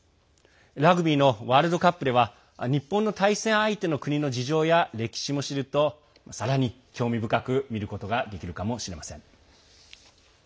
ラグビーのワールドカップでは日本の対戦相手の国の事情や歴史も知るとさらに興味深く見ることができるかもしれません。